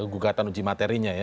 gugatan uji materinya ya